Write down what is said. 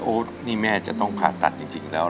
นี่แม่จะต้องผ่าตัดจริงแล้ว